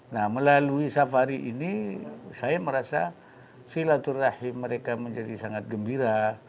nah melalui safari ini saya merasa silaturahim mereka menjadi sangat gembira